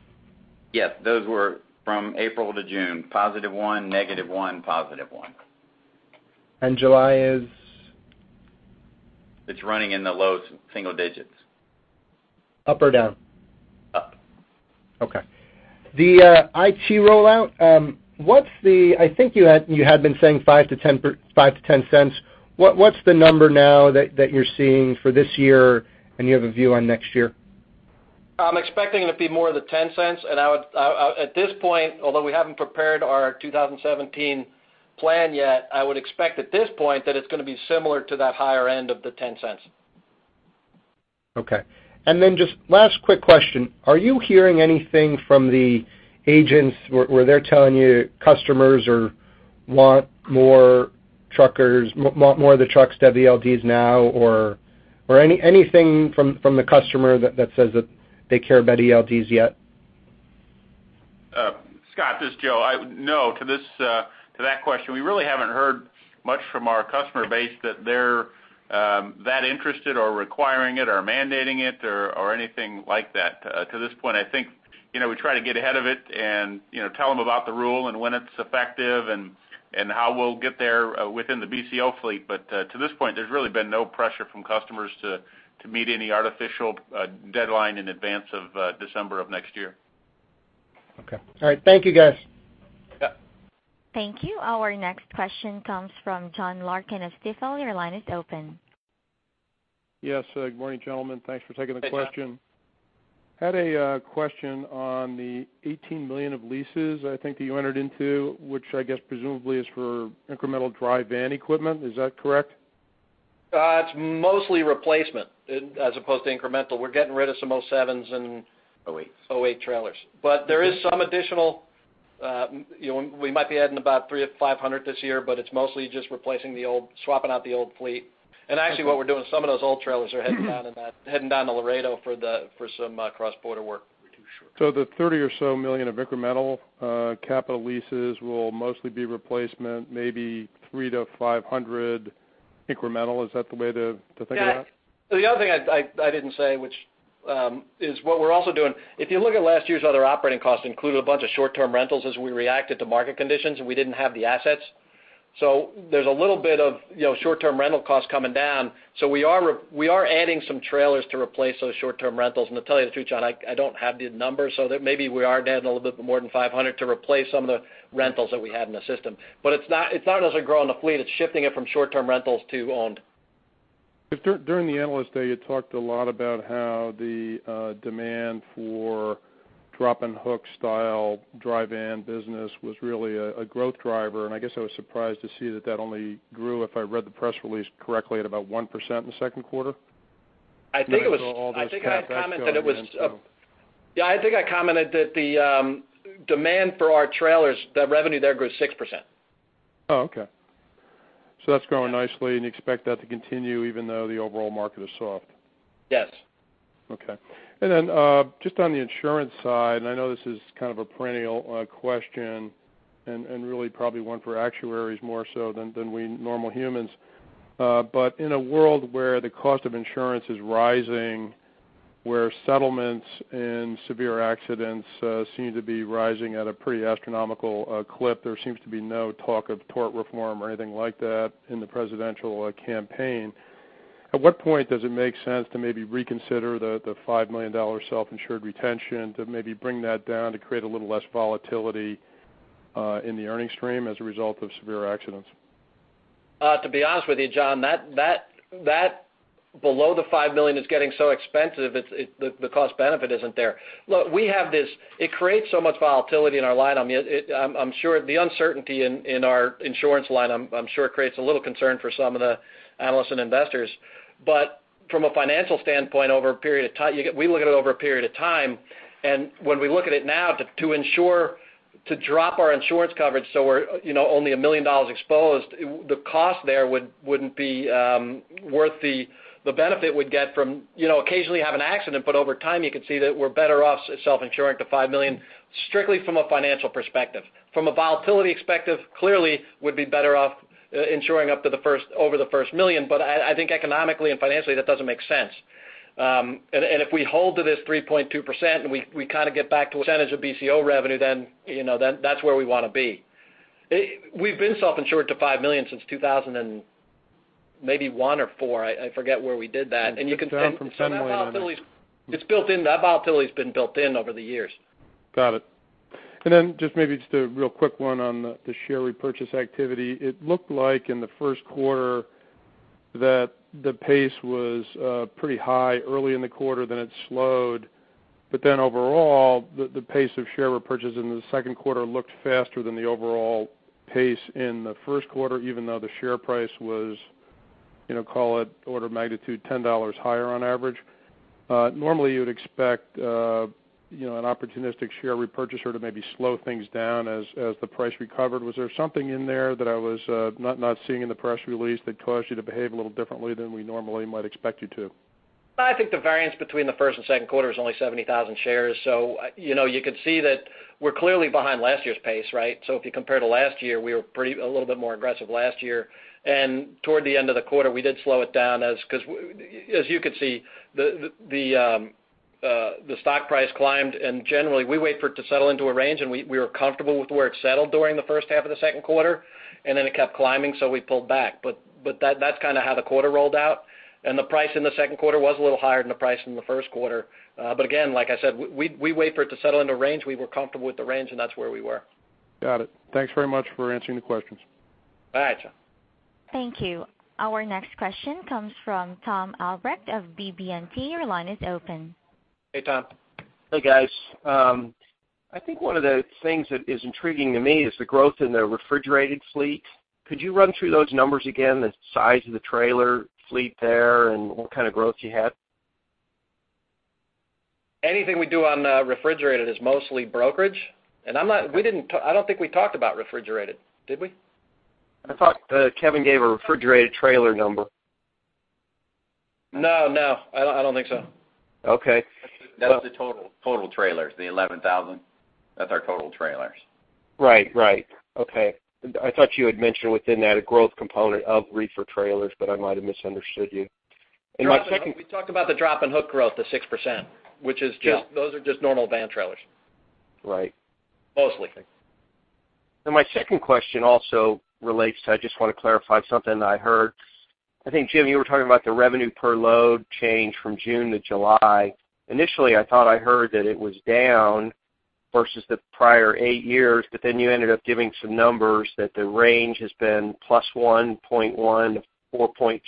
Yes. Those were from April to June, +1, -1, +1. July is? It's running in the low single digits. Up or down? Up. Okay. The IT rollout, what's the... I think you had been saying 5-10, $0.05-$0.10. What's the number now that you're seeing for this year, and you have a view on next year? I'm expecting it to be more the $0.10, and I would, at this point, although we haven't prepared our 2017 plan yet, I would expect at this point that it's going to be similar to that higher end of the $0.10. Okay. And then just last quick question: Are you hearing anything from the agents where they're telling you customers want more truckers, want more of the trucks to have ELDs now, or anything from the customer that says that they care about ELDs yet? Scott, this is Joe. No, to this, to that question, we really haven't heard much from our customer base that they're, that interested or requiring it or mandating it or, or anything like that. To this point, I think, you know, we try to get ahead of it and, you know, tell them about the rule and when it's effective and, and how we'll get there, within the BCO fleet. But, to this point, there's really been no pressure from customers to, to meet any artificial, deadline in advance of, December of next year. Okay. All right. Thank you, guys. Yep. Thank you. Our next question comes from John Larkin of Stifel. Your line is open. Yes. Good morning, gentlemen. Thanks for taking the question. Hey, John. Had a question on the $18 million of leases, I think, that you entered into, which I guess presumably is for incremental dry van equipment. Is that correct? It's mostly replacement, as opposed to incremental. We're getting rid of some '07s and- '08s '08s trailers. But there is some additional, you know, we might be adding about 300-500 this year, but it's mostly just replacing the old, swapping out the old fleet. Okay. Actually, what we're doing, some of those old trailers are heading down to Laredo for the, for some cross-border work. So the $30 million or so of incremental capital leases will mostly be replacement, maybe $300-$500 incremental. Is that the way to think about it? Yeah. The other thing I didn't say, which is what we're also doing, if you look at last year's other operating costs, including a bunch of short-term rentals as we reacted to market conditions, and we didn't have the assets. So there's a little bit of, you know, short-term rental costs coming down. So we are adding some trailers to replace those short-term rentals. And to tell you the truth, John, I don't have the numbers, so that maybe we are adding a little bit more than 500 to replace some of the rentals that we had in the system. But it's not actually growing the fleet, it's shifting it from short-term rentals to owned. But during the Analyst Day, you talked a lot about how the demand for drop-and-hook style, dry van business was really a growth driver, and I guess I was surprised to see that that only grew, if I read the press release correctly, at about 1% in the second quarter?... I think I commented that the demand for our trailers, the revenue there grew 6%. Oh, okay. So that's growing nicely, and you expect that to continue even though the overall market is soft? Yes. Okay. And then, just on the insurance side, and I know this is kind of a perennial question and really probably one for actuaries more so than we normal humans. But in a world where the cost of insurance is rising, where settlements and severe accidents seem to be rising at a pretty astronomical clip, there seems to be no talk of tort reform or anything like that in the presidential campaign. At what point does it make sense to maybe reconsider the $5 million self-insured retention, to maybe bring that down to create a little less volatility in the earning stream as a result of severe accidents? To be honest with you, John, that below the $5 million is getting so expensive, the cost benefit isn't there. Look, it creates so much volatility in our line item. I'm sure the uncertainty in our insurance line creates a little concern for some of the analysts and investors. But from a financial standpoint, over a period of time, we look at it over a period of time, and when we look at it now, to ensure to drop our insurance coverage, so we're, you know, only $1 million exposed, the cost there wouldn't be worth the benefit we'd get from, you know, occasionally have an accident, but over time, you could see that we're better off self-insuring the $5 million, strictly from a financial perspective. From a volatility perspective, clearly, we'd be better off, insuring up to the first, over the first $1 million, but I, I think economically and financially, that doesn't make sense. And, and if we hold to this 3.2%, and we, we kind of get back to a percentage of BCO revenue, then, you know, then that's where we want to be. We've been self-insured to $5 million since 2000 and maybe 1 or 4. I, I forget where we did that. You can tell from somewhere- That volatility, it's built in. That volatility has been built in over the years. Got it. And then just maybe just a real quick one on the share repurchase activity. It looked like in the first quarter, that the pace was pretty high early in the quarter, then it slowed. But then overall, the pace of share repurchase in the second quarter looked faster than the overall pace in the first quarter, even though the share price was, you know, call it order of magnitude, $10 higher on average. Normally, you would expect, you know, an opportunistic share repurchaser to maybe slow things down as the price recovered. Was there something in there that I was not seeing in the press release that caused you to behave a little differently than we normally might expect you to? I think the variance between the first and second quarter is only 70,000 shares. So, you know, you could see that we're clearly behind last year's pace, right? So if you compare to last year, we were pretty, a little bit more aggressive last year. And toward the end of the quarter, we did slow it down, because as you could see, the stock price climbed, and generally, we wait for it to settle into a range, and we were comfortable with where it settled during the first half of the second quarter, and then it kept climbing, so we pulled back. But that, that's kind of how the quarter rolled out. And the price in the second quarter was a little higher than the price in the first quarter. But again, like I said, we wait for it to settle into range. We were comfortable with the range, and that's where we were. Got it. Thanks very much for answering the questions. Bye, John. Thank you. Our next question comes from Tom Albrecht of BB&T. Your line is open. Hey, Tom. Hey, guys. I think one of the things that is intriguing to me is the growth in the refrigerated fleet. Could you run through those numbers again, the size of the trailer fleet there and what kind of growth you had? Anything we do on refrigerated is mostly brokerage, and I don't think we talked about refrigerated, did we? I thought, Kevin gave a refrigerated trailer number. No, no, I don't, I don't think so. Okay. That's the total, total trailers, the 11,000. That's our total trailers. Right. Right. Okay. I thought you had mentioned within that a growth component of reefer trailers, but I might have misunderstood you. And my second- We talked about the drop and hook growth to 6%, which is just- Yeah. Those are just normal van trailers. Right. Mostly. My second question also relates to, I just want to clarify something that I heard. I think, Jim, you were talking about the revenue per load change from June to July. Initially, I thought I heard that it was down versus the prior 8 years, but then you ended up giving some numbers that the range has been +1.1-4.3%,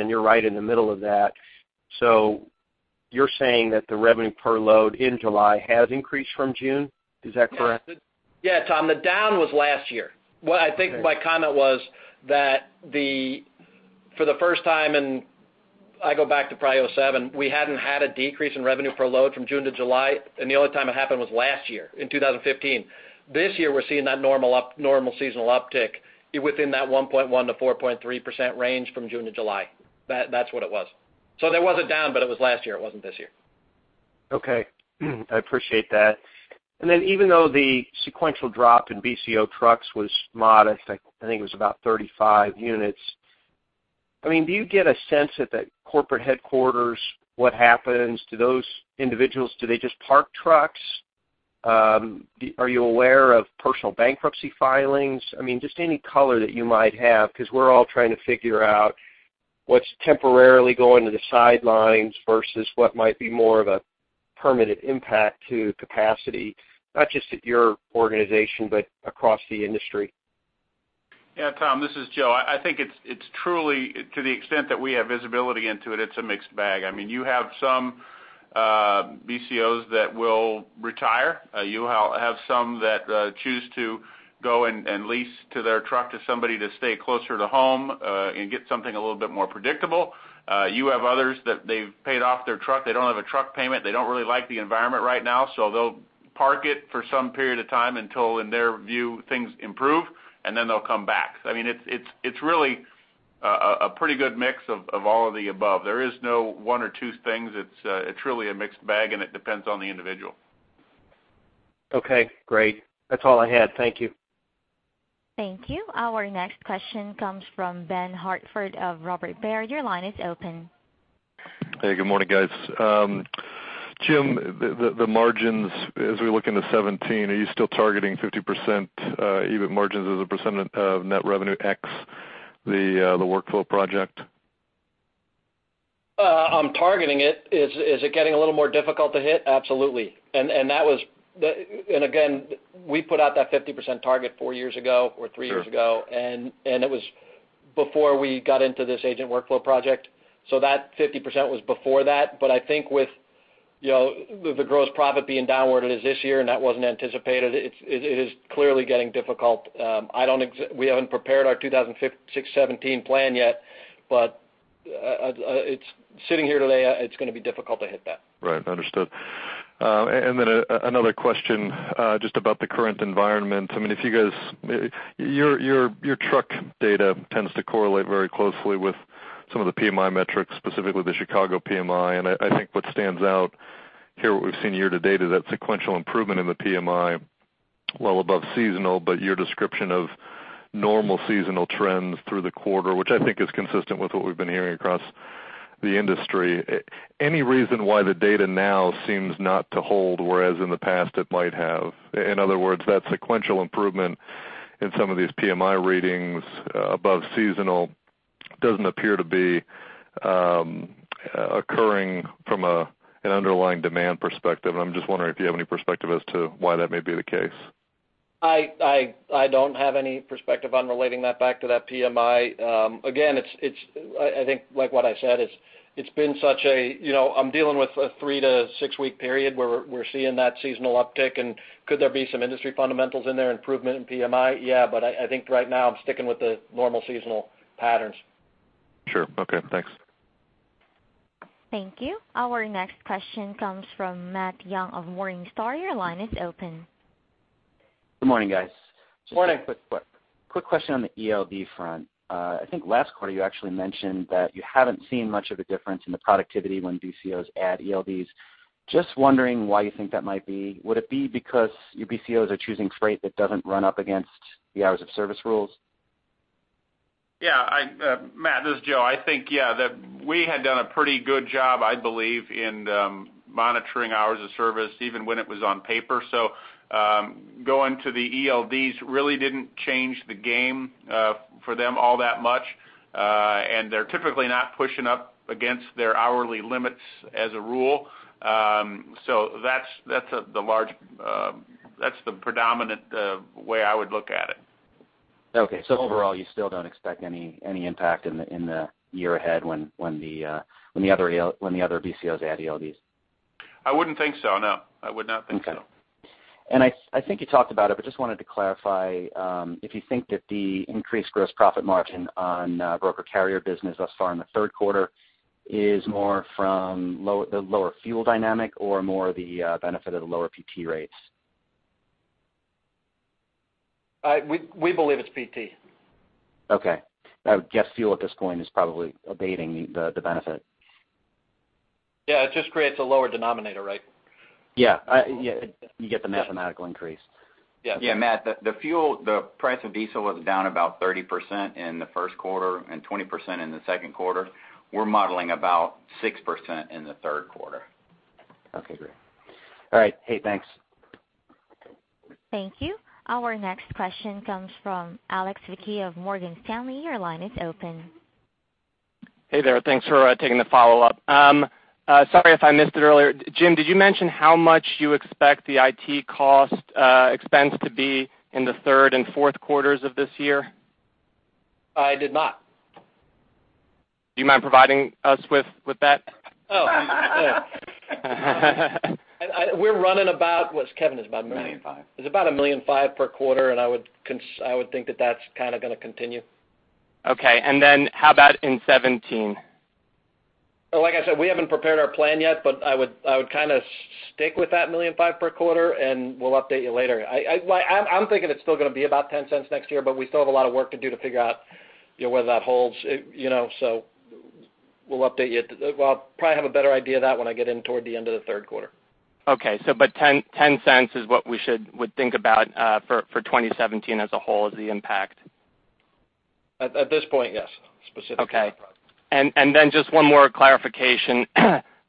and you're right in the middle of that. So you're saying that the revenue per load in July has increased from June? Is that correct? Yeah, Tom, the down was last year. Okay. What I think my comment was that the, for the first time in, I go back to probably 2007, we hadn't had a decrease in revenue per load from June to July, and the only time it happened was last year, in 2015. This year, we're seeing that normal up, normal seasonal uptick within that 1.1%-4.3% range from June to July. That, that's what it was. So there was a down, but it was last year, it wasn't this year. Okay. I appreciate that. And then, even though the sequential drop in BCO trucks was modest, I think it was about 35 units. I mean, do you get a sense at the corporate headquarters, what happens to those individuals? Do they just park trucks? Are you aware of personal bankruptcy filings? I mean, just any color that you might have, because we're all trying to figure out what's temporarily going to the sidelines versus what might be more of a permanent impact to capacity, not just at your organization, but across the industry. Yeah, Tom, this is Joe. I think it's, it's truly, to the extent that we have visibility into it, it's a mixed bag. I mean, you have some- BCOs that will retire. You have some that choose to go and lease their truck to somebody to stay closer to home, and get something a little bit more predictable. You have others that they've paid off their truck, they don't have a truck payment, they don't really like the environment right now, so they'll park it for some period of time until, in their view, things improve, and then they'll come back. I mean, it's really a pretty good mix of all of the above. There is no one or two things. It's truly a mixed bag, and it depends on the individual. Okay, great. That's all I had. Thank you. Thank you. Our next question comes from Ben Hartford of Robert Baird. Your line is open. Hey, good morning, guys. Jim, the margins, as we look into 2017, are you still targeting 50% EBIT margins as a percentage of net revenue ex the workflow project? I'm targeting it. Is it getting a little more difficult to hit? Absolutely. And that was the- And again, we put out that 50% target four years ago or three years ago- Sure. It was before we got into this agent workflow project. So that 50% was before that. But I think with, you know, with the gross profit being downward as this year, and that wasn't anticipated, it is clearly getting difficult. I don't – we haven't prepared our 2016-2017 plan yet, but it's sitting here today, it's gonna be difficult to hit that. Right. Understood. And then another question, just about the current environment. I mean, if you guys, your truck data tends to correlate very closely with some of the PMI metrics, specifically the Chicago PMI. And I think what stands out here, what we've seen year to date, is that sequential improvement in the PMI, well above seasonal, but your description of normal seasonal trends through the quarter, which I think is consistent with what we've been hearing across the industry. Any reason why the data now seems not to hold, whereas in the past it might have? In other words, that sequential improvement in some of these PMI readings, above seasonal doesn't appear to be occurring from an underlying demand perspective. I'm just wondering if you have any perspective as to why that may be the case. I don't have any perspective on relating that back to that PMI. Again, I think, like what I said, it's been such a, you know, I'm dealing with a 3-to-6-week period where we're seeing that seasonal uptick. And could there be some industry fundamentals in there, improvement in PMI? Yeah, but I think right now I'm sticking with the normal seasonal patterns. Sure. Okay, thanks. Thank you. Our next question comes from Matt Young of Morningstar. Your line is open. Good morning, guys. Just wanted a quick, quick question on the ELD front. I think last quarter you actually mentioned that you haven't seen much of a difference in the productivity when BCOs add ELDs. Just wondering why you think that might be. Would it be because your BCOs are choosing freight that doesn't run up against the hours of service rules? Yeah, I, Matt, this is Joe. I think, yeah, that we had done a pretty good job, I believe, in monitoring hours of service, even when it was on paper. So, going to the ELDs really didn't change the game for them all that much. And they're typically not pushing up against their hourly limits as a rule. So that's, that's the large, that's the predominant way I would look at it. Okay. So overall, you still don't expect any impact in the year ahead when the other BCOs add ELDs? I wouldn't think so, no. I would not think so. Okay. And I think you talked about it, but just wanted to clarify if you think that the increased gross profit margin on broker carrier business thus far in the third quarter is more from the lower fuel dynamic or more the benefit of the lower PT rates? We believe it's PT. Okay. I would guess fuel at this point is probably abating the benefit. Yeah, it just creates a lower denominator, right? Yeah. Yeah, you get the mathematical increase. Yeah. Yeah, Matt, the fuel price of diesel was down about 30% in the first quarter and 20% in the second quarter. We're modeling about 6% in the third quarter. Okay, great. All right. Hey, thanks. Thank you. Our next question comes from Alex Vecchio of Morgan Stanley. Your line is open. Hey there. Thanks for taking the follow-up. Sorry if I missed it earlier. Jim, did you mention how much you expect the IT cost, expense to be in the third and fourth quarters of this year? I did not. Do you mind providing us with that? Oh, yeah. We're running about... What Kevin is about- Million five. It's about $1.5 million per quarter, and I would think that that's kind of gonna continue. Okay, and then how about in 2017? Like I said, we haven't prepared our plan yet, but I would kind of stick with that $1.5 million per quarter, and we'll update you later. Well, I'm thinking it's still gonna be about $0.10 next year, but we still have a lot of work to do to figure out, you know, whether that holds. It, you know, so we'll update you. Well, I'll probably have a better idea of that when I get in toward the end of the third quarter. Okay, so but $0.10 is what we should, would think about for 2017 as a whole, as the impact? At this point, yes, specifically. Okay. And, and then just one more clarification.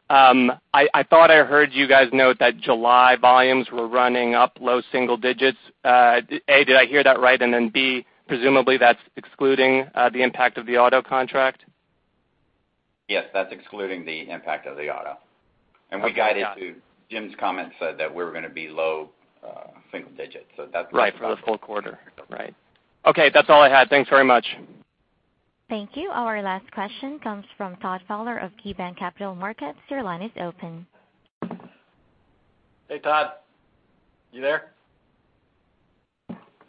I thought I heard you guys note that July volumes were running up low single digits. A, did I hear that right? And then, B, presumably, that's excluding the impact of the auto contract? Yes, that's excluding the impact of the auto. Okay, got it. And we guided to Jim's comments that we're gonna be low single digits, so that's- Right, for the full quarter, right. Okay, that's all I had. Thanks very much. Thank you. Our last question comes from Todd Fowler of KeyBanc Capital Markets. Your line is open. Hey, Todd, you there?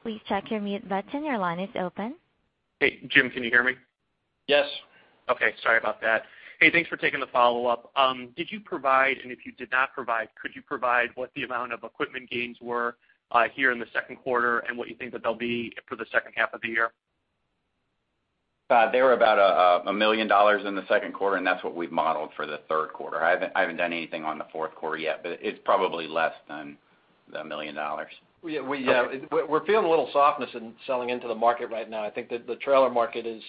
Please check your mute button. Your line is open. Hey, Jim, can you hear me? Yes. Okay. Sorry about that. Hey, thanks for taking the follow-up. Did you provide, and if you did not provide, could you provide what the amount of equipment gains were here in the second quarter, and what you think that they'll be for the second half of the year? They were about $1 million in the second quarter, and that's what we've modeled for the third quarter. I haven't done anything on the fourth quarter yet, but it's probably less than $1 million. We're feeling a little softness in selling into the market right now. I think that the trailer market is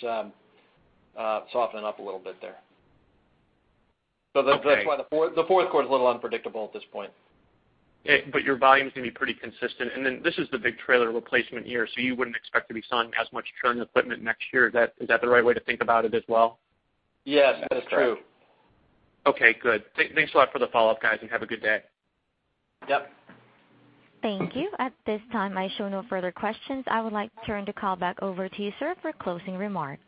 softening up a little bit there. Okay. So that's why the fourth quarter is a little unpredictable at this point. But your volumes can be pretty consistent, and then this is the big trailer replacement year, so you wouldn't expect to be selling as much current equipment next year. Is that, is that the right way to think about it as well? Yes, that is true. Okay, good. Thanks a lot for the follow-up, guys, and have a good day. Yep. Thank you. At this time, I show no further questions. I would like to turn the call back over to you, sir, for closing remarks.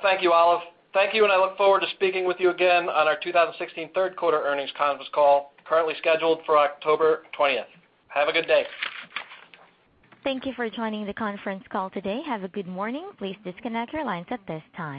Thank you, Olive. Thank you, and I look forward to speaking with you again on our 2016 third quarter earnings conference call, currently scheduled for October 20th. Have a good day. Thank you for joining the conference call today. Have a good morning. Please disconnect your lines at this time.